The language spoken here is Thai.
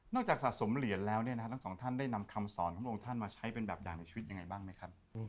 จากสะสมเหรียญแล้วเนี่ยนะฮะทั้งสองท่านได้นำคำสอนของพระองค์ท่านมาใช้เป็นแบบอย่างในชีวิตยังไงบ้างไหมครับ